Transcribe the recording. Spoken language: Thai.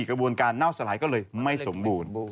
กระบวนการเน่าสลายก็เลยไม่สมบูรณ์